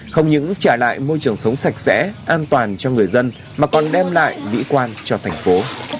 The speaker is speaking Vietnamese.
không những trả lại môi trường sống sạch sẽ an toàn cho người dân mà còn đem lại mỹ quan cho thành phố